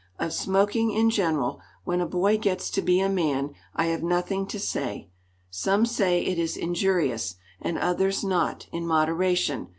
Of smoking in general, when a boy gets to be a man, I have nothing to say. Some say it is injurious, and others not, in moderation.